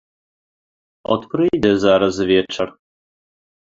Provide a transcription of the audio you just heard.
От прыйдзе зараз вечар.